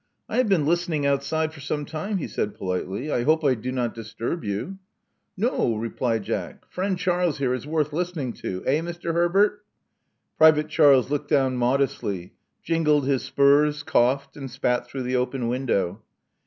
I have been listening outside for some time," he said politely. '*I hope I do not disturb you." '• No, '' replied Jack. Friend Charles here is worth listening to. Eh, Mr. Herbert?" Private Charles looked down modestly; jingled his spurs; coughed; and spat through the open window.